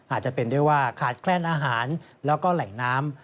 อาจจะเป็นได้ว่าขาดแคลนอาหารแล้วก็แหล่งน้ำ